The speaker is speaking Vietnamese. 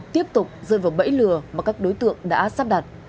tiếp tục rơi vào bẫy lừa mà các đối tượng đã sắp đặt